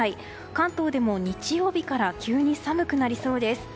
関東でも日曜日から急に寒くなりそうです。